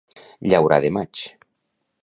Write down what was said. Llaurar de maig.